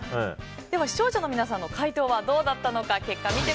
視聴者の皆さんの回答はどうだったのか。